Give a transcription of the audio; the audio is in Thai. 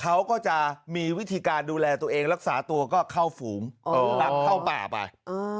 เขาก็จะมีวิธีการดูแลตัวเองรักษาตัวก็เข้าฝูงรับเข้าป่าไป